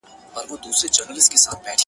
رقيب بې ځيني ورك وي يا بې ډېر نژدې قريب وي.